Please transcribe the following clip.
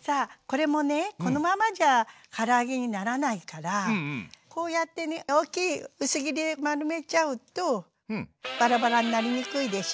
さあこれもねこのままじゃから揚げにならないからこうやってね大きい薄切り丸めちゃうとバラバラになりにくいでしょ？